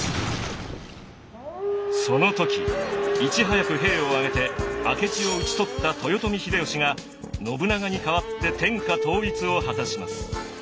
その時いち早く兵を挙げて明智を討ち取った豊臣秀吉が信長に代わって天下統一を果たします。